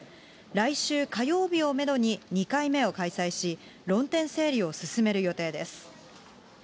来週火曜日をメドに、２回目を開催し、論点整理を進める予定です。